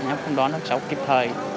em không đón được cháu kịp thời